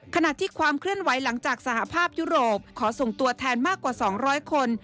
ขณะที่ความเคลื่อนไหวหลังจากสหภาพยุโรปขอส่งตัวแทนมากกว่า๒๐๐คน